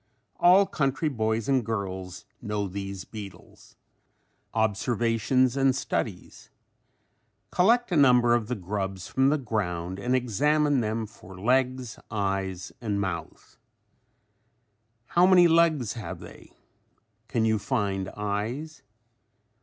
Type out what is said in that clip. All country boys and girls know these beetles. OBSERVATIONS AND STUDIES Collect a number of the grubs from the ground and examine them for legs, eyes and mouth. How many legs have they? Can you find eyes?